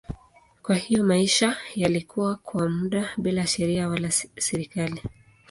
Kwa hiyo maisha yalikuwa kwa muda bila sheria wala serikali.